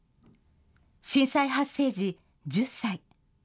震災発生時１０歳。